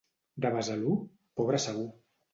De Besalú? Pobre segur.